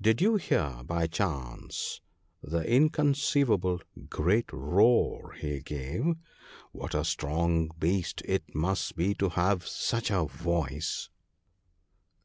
Did you hear by chance the inconceivable great roar he gave ? What a strong beast it must be to have such a voice